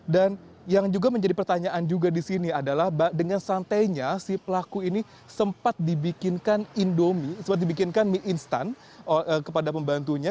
dan yang juga menjadi pertanyaan juga di sini adalah dengan santainya si pelaku ini sempat dibikinkan instant kepada pembantunya